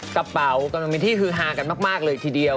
กระเป๋ากำลังเป็นที่ฮือฮากันมากเลยทีเดียว